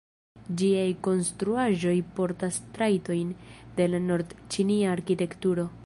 Ĝiaj konstruaĵoj portas trajtojn de la nord-ĉinia arkitekturo.